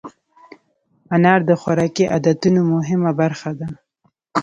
انار د خوراکي عادتونو مهمه برخه ده.